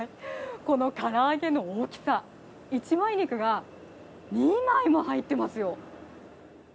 このカラアゲの大きさ、１枚肉が２枚も入ってますよ。